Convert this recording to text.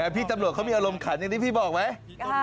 พี่ตำรวจเขามีอารมณ์ขันอย่างที่พี่บอกไหม